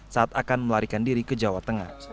saat akan melarikan diri ke jawa tengah